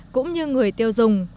cũng như người tiêu dùng